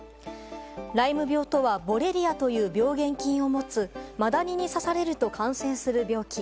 ライム病とはボレリアという病原菌を持つマダニに刺されると感染する病気。